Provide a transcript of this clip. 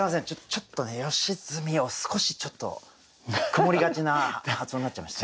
ちょっとね「良純」を少しちょっと曇りがちな発音になっちゃいました。